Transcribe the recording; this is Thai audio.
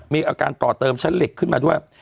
มีอาการต่อเติมชั้นเหล็กขึ้นมาด้วย